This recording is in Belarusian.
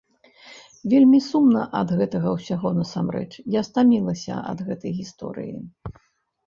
Вельмі сумна ад гэтага ўсяго насамрэч, я стамілася ад гэтай гісторыі.